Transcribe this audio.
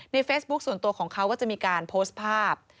เฟซบุ๊คส่วนตัวของเขาก็จะมีการโพสต์ภาพ